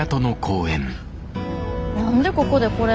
何でここでこれ？